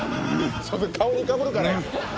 そうか顔にかぶるからや！